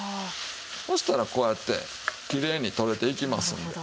そしたらこうやってキレイに取れていきますので。